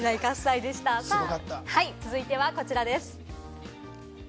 はい、続いてはこちらです。